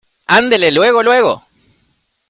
andele, luego , luego.